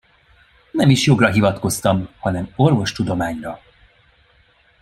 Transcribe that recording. Nem is jogra hivatkoztam, hanem orvostudományra.